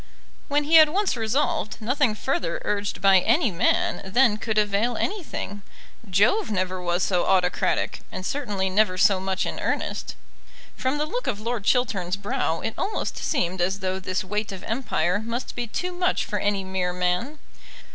When he had once resolved, nothing further urged by any man then could avail anything. Jove never was so autocratic, and certainly never so much in earnest. From the look of Lord Chiltern's brow it almost seemed as though this weight of empire must be too much for any mere man.